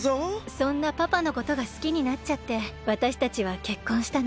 そんなパパのことがすきになっちゃってわたしたちはけっこんしたの。